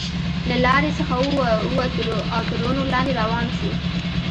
له لارې څخه وو وتلو او تر ونو لاندې روان شوو.